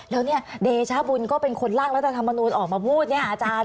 แล้วเนี่ยเดชาบุญก็เป็นคนล่างรัฐธรรมนูลออกมาพูดเนี่ยอาจารย์